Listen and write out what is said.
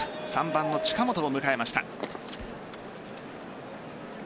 ３番の近本を迎えました。